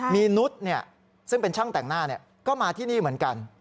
มีนุษย์ซึ่งเป็นช่างแต่งหน้าก็มาที่นี่เหมือนกัน